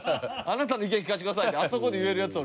あなたの意見聞かせてくださいってあそこで言えるヤツ